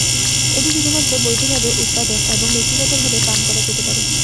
এটি শুধুমাত্র বৈধভাবে উৎপাদন এবং ব্যক্তিগতভাবে পান করা যেতে পারে।